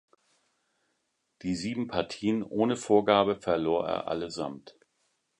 Die sieben Partien ohne Vorgabe verlor er allesamt.